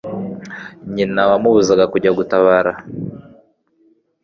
nyina wamubuzaga kujya gutabara